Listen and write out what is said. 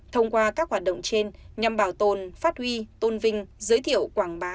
thông qua các hoạt động trên nhằm bảo tồn phát huy tôn vinh giới thiệu quảng bá